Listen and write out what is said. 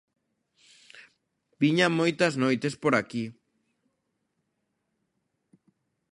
_Viña moitas noites por aquí.